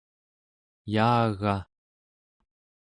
yaaga!